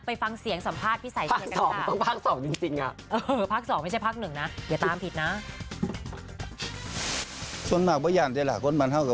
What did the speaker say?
ไปฟังเสียงสัมภาษณ์พี่สายเชิญกันค่ะ